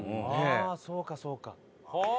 ああそうかそうか。